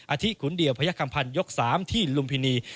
อาทิขุนเดี่ยวพระยักษ์คำพันธ์ยก๓ที่ลุมพินี